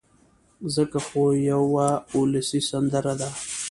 ځکه خو يوه اولسي سندره ده